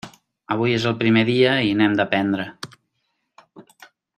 Avui és el primer dia i n'hem d'aprendre.